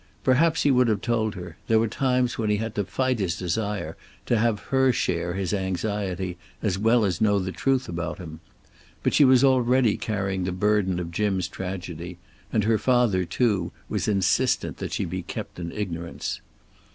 Perhaps he would have told her; there were times when he had to fight his desire to have her share his anxiety as well as know the truth about him. But she was already carrying the burden of Jim's tragedy, and her father, too, was insistent that she be kept in ignorance.